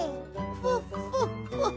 フォッフォッフォッ。